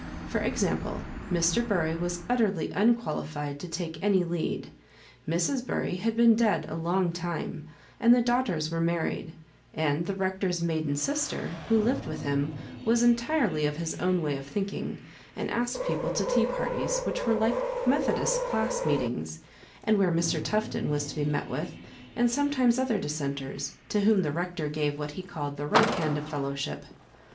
For example, Mr. Bury was utterly unqualified to take any lead. Mrs. Bury had been dead a long time, and the daughters were married, and the Rector's maiden sister, who lived with him, was entirely of his own way of thinking, and asked people to tea parties, which were like Methodists' class meetings, and where Mr. Tufton was to be met with, and sometimes other Dissenters, to whom the Rec tor gave what he called the right hand of fellow ship.